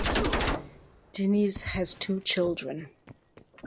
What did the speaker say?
Diniz has two children.